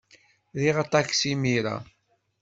Riɣ aṭaksi imir-a.